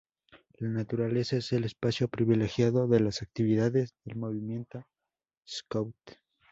La naturaleza es el espacio privilegiado de las actividades del Movimiento Scout.